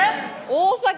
大阪